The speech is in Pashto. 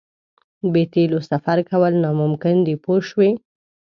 بې تیلو سفر کول ناممکن دي پوه شوې!.